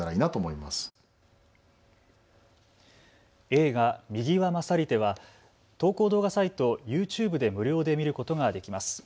映画、水際まさりては投稿動画サイト、ＹｏｕＴｕｂｅで無料で見ることができます。